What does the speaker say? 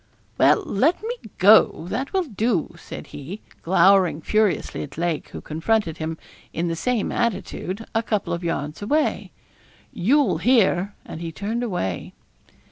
'Well, let me go; that will do,' said he, glowering furiously at Lake, who confronted him, in the same attitude, a couple of yards away. 'You'll hear,' and he turned away.